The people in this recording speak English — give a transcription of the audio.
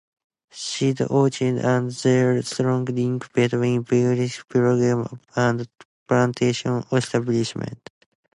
Seed orchards are the strong link between breeding programs and plantation establishment.